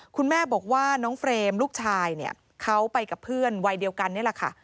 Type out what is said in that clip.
คุณแม่บอกว่าน้องเฟรมลูกชายเนี่ยเขาไปกับเพื่อนวัยเดียวกันนี่แหละค่ะ